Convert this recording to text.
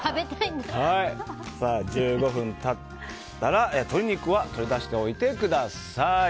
１５分経ったら鶏肉は取り出しておいてください。